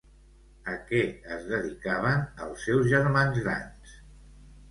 A què es dedicaven els seus germans grans?